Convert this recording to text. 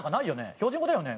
「標準語だよね」